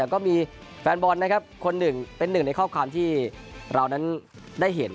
ก็มีแฟนบอลเป็น๑ในข้อความที่เราได้เห็น